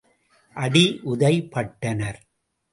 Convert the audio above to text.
அடி உதை பட்டனர்.